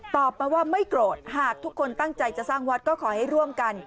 ตอบมาว่าไม่โกรธหากทุกคนตั้งใจจะสร้างวัดก็ขอให้ร่วมกัน